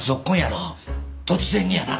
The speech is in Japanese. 突然にやな